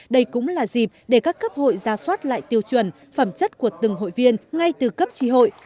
đây cũng là dịp để các cấp hội ra soát lại tiêu chuẩn phẩm chất của từng hội viên ngay từ cấp tri hội